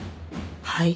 はい？